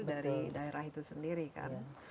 sdm nya justru dari daerah itu sendiri kan